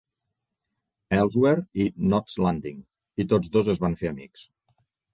Elsewhere" i "Knots Landing", i tots dos es van fer amics.